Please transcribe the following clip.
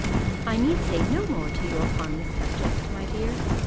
I need say no more to you upon this subject, my dear.